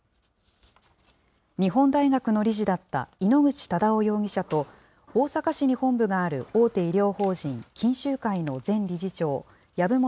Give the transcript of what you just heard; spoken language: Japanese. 日本大学の理事だった井ノ口忠男容疑者と、大阪市に本部がある大手医療法人錦秀会の前理事長、籔本